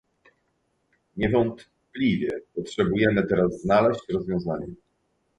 niewątpliwie potrzebujemy teraz znaleźć rozwiązanie